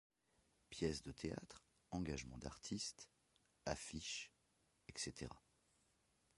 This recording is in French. Pièce de théâtre, engagements d'artistes, affiches, etc.